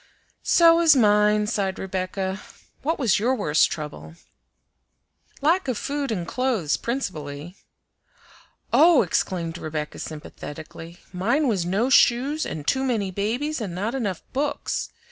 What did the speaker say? "So was mine," sighed Rebecca. "What was your worst trouble?" "Lack of food and clothes principally." "Oh!" exclaimed Rebecca sympathetically, "mine was no shoes and too many babies and not enough books.